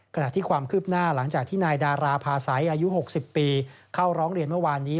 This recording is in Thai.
ขณะที่ความคืบหน้าหลังจากที่นายดาราพาสัยอายุ๖๐ปีเข้าร้องเรียนเมื่อวานนี้